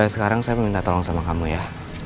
sekarang saya minta tolong sama kamu ya